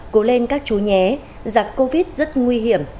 cố lên các chú nhé giặc covid rất nguy hiểm